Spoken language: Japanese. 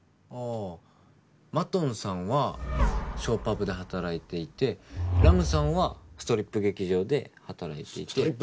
ああマトンさんはショーパブで働いていてラムさんはストリップ劇場で働いていて。